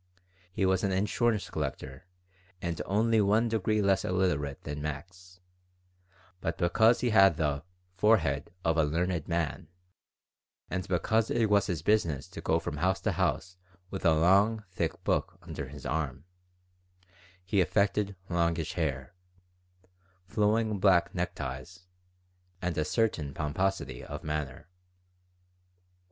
He was an insurance collector and only one degree less illiterate than Max; but because he had the "forehead of a learned man," and because it was his business to go from house to house with a long, thick book under his arm, he affected longish hair, flowing black neckties, and a certain pomposity of manner.